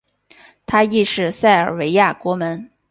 他亦是塞尔维亚国门。